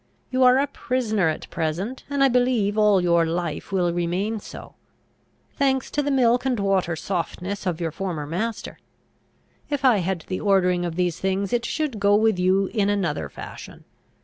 You are a prisoner at present, and I believe all your life will remain so. Thanks to the milk and water softness of your former master! If I had the ordering of these things, it should go with you in another fashion.